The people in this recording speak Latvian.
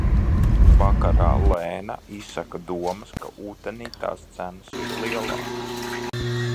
Vakarā Lēna izsaka domas, ka utenī tās cenas ir lielākas.